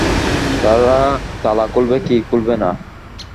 তালা খুলবে কি খুলবে না?